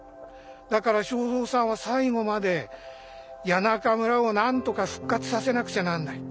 だから正造さんは最後まで谷中村をなんとか復活させなくちゃなんないって。